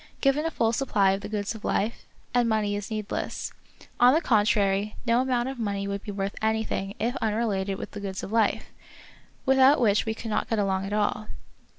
Given a full supply of the goods of life, and money is needless. On the contrary, no amount of money would be worth anything if unrelated with of Peter Schlemihl. 117 the goods of life, without which we cannot get along at all.